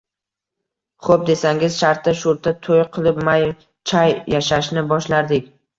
– Xo‘p desangiz, shartta-shurtta to‘y qilib, may-chay yashashni boshlardik